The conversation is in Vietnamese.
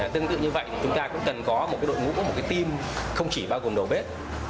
tương tự như vậy chúng ta cũng cần có một đội ngũ một cái team không chỉ bao gồm đầu bếp